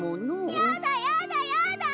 やだやだやだ！